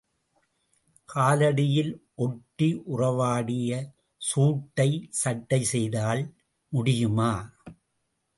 காலடியில் ஒட்டி உறவாடிய சூட்டைச் சட்டை செய்தால் முடியுமா?